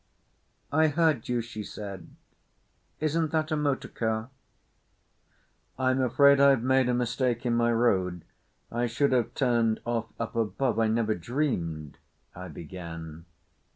"I heard you," she said. "Isn't that a motor car?" "I'm afraid I've made a mistake in my road. I should have turned off up above—I never dreamed"—I began.